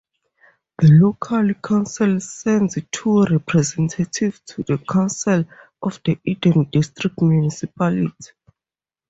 The local council sends two representatives to the council of the Eden District Municipality.